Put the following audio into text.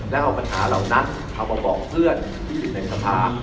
แล้วเอาปัญหาเหล่านั้นเอามาบอกเพื่อนที่อยู่ในสภา